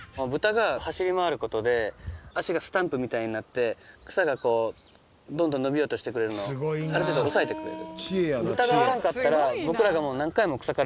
足がスタンプみたいになって草がどんどん伸びようとしてくるのをある程度抑えてくれる。